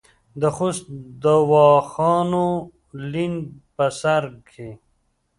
د خوست دواخانو لین بر سر کې